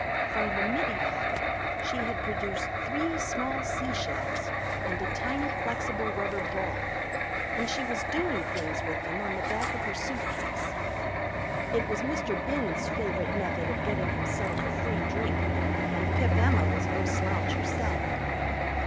From her middy pocket she had produced three small sea shells and a tiny flexible rubber ball, and she was doing things with them on the back of her suitcase. It was Mr. Binns' favorite method of getting himself a free drink, and Pip Emma was no slouch herself.